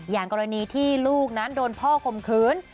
อย่างกรณีที่ลูกนั้นโดนพ่อข่มขืน